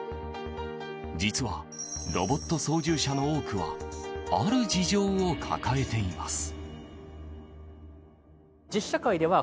実はロボット操縦者の多くはある事情を抱えています。